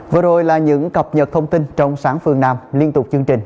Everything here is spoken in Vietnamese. vừa rồi là những cập nhật thông tin trong sáng phương nam liên tục chương trình